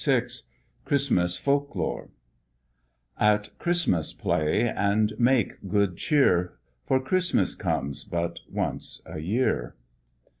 VI CHRISTMAS FOLK LORE "At Christmas play, and make good cheer, For Christmas comes but once a year."